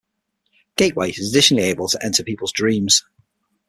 Gateway is additionally able to enter people's dreams.